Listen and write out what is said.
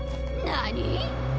なに！？